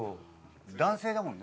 男性だもんね？